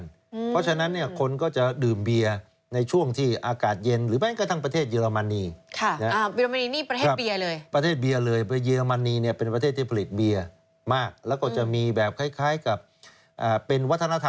เพราะฉะนั้นคนก็จะดื่มเบียร์ในช่วงที่อากาศเย็น